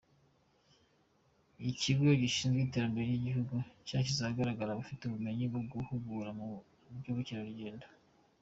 Ikigo gishinzwe iterambere ryigihugu cyashyize ahagaragara abafite ubumenyi bwo guhugura mu by’ubukerarugendo